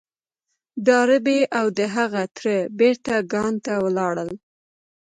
ډاربي او د هغه تره بېرته کان ته ولاړل.